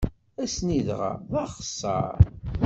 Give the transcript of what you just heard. Ass-nni dɣa, d axeṣṣaṛ.